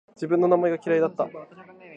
自分の名前が嫌いだった